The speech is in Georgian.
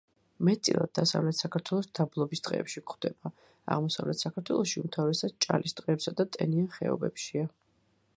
მეტწილად დასავლეთ საქართველოს დაბლობის ტყეებში გვხვდება, აღმოსავლეთ საქართველოში უმთავრესად ჭალის ტყეებსა და ტენიან ხეობებშია.